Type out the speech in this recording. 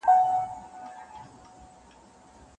څو به لا په پټه له هینداري څخه سوال کوو